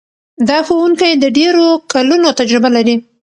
دا ښوونکی د ډېرو کلونو تجربه لري.